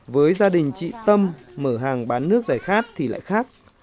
với gia đình chị tâm mở hàng bán nước giải khát thì lại khác